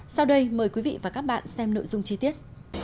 sau đây mời quý vị và các bạn xem nội dung chi tiết